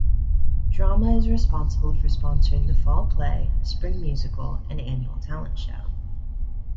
Drama is responsible for sponsoring the fall play, spring musical and annual talent show.